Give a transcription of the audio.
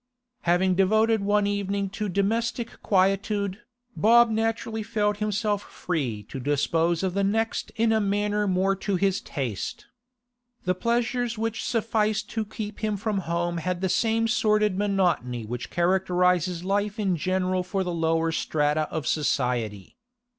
Having devoted one evening to domestic quietude, Bob naturally felt himself free to dispose of the next in a manner more to his taste. The pleasures which sufficed to keep him from home had the same sordid monotony which characterises life in general for the lower strata of society.